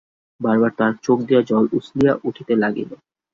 বার বার তাঁর চোখ দিয়া জল উছলিয়া উঠিতে লাগিল।